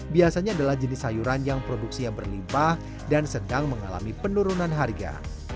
biasanya adalah jenis sayuran yang produksi yang berlimpah dan sedang mengalami penurunan harga